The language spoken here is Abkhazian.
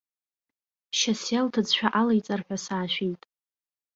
Шьасиа лҭыӡшәа алеиҵар ҳәа саашәеит.